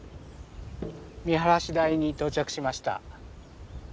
見晴台に到着しました。